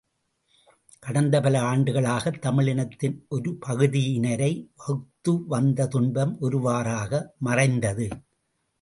கடந்த பல ஆண்டுகளாகத் தமிழினத்தின் ஒருபகுதியினரை வகுத்திவந்த துன்பம் ஒருவாறாக மறைந்தது.